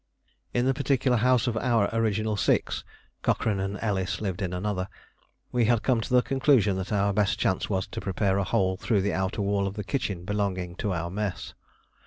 In the particular house of our original six, (Cochrane and Ellis lived in another), we had come to the conclusion that our best chance was to prepare a hole through the outer wall of the kitchen belonging to our mess.